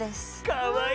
かわいい！